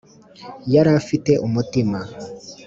yari afite umutima